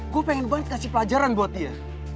gue pengen banget kasih pelajaran buat dia